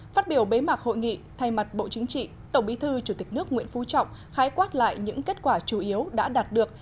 phát biểu bế mạc hội nghị thay mặt bộ chính trị tổng bí thư chủ tịch nước nguyễn phú trọng khái quát lại những kết quả chủ yếu đã đạt được